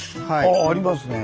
あっありますね。